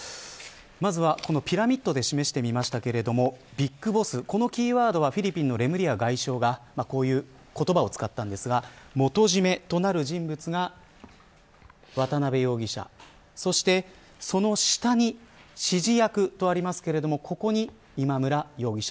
まずはピラミッドで示してみましたがビッグボス、このキーワードはレムリヤ法相がこういう言葉を使ったんですが元締めとなる人物が渡辺容疑者そしてその下に指示役とありますけれどもここに、今村容疑者。